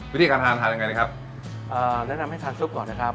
วิธีการทานทานยังไงนะครับอ่าแนะนำให้ทานซุปก่อนนะครับ